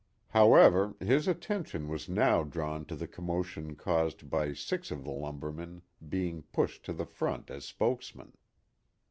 However, his attention was now drawn to the commotion caused by six of the lumbermen being pushed to the front as spokesmen.